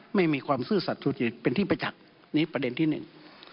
ไม่มีความซื่อสัตว์สุจริตเป็นที่ประจักษ์นี้ประเด็นที่หนึ่ง